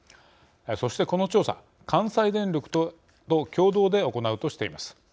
そして、この調査関西電力と共同で行うとしています。